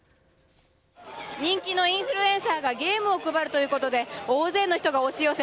人気のインフルエンサーがゲームを配るということで大勢の人が押し寄せ